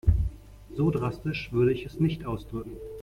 So drastisch würde ich es nicht ausdrücken.